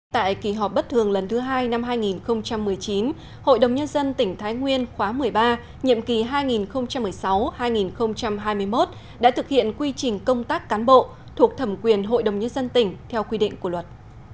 tại kỳ họp bất thường lần thứ hai năm hai nghìn một mươi chín hội đồng nhân dân tỉnh thái nguyên khóa một mươi ba nhiệm kỳ hai nghìn một mươi sáu hai nghìn hai mươi một đã thực hiện quy trình công tác cán bộ thuộc thẩm quyền hội đồng nhân dân tỉnh theo quy định của luật